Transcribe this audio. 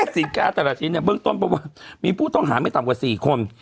สินค้าแต่ละชิ้นเนี่ยมีผู้ต้องหาไม่ต่ำกว่า๔คน